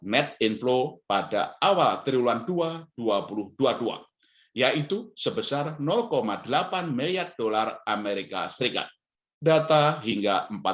net inflow pada awal triwan dua dua ratus dua puluh dua yaitu sebesar delapan miliar dollar amerika serikat data hingga empat belas